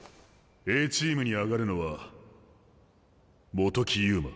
Ａチームに上がるのは本木遊馬。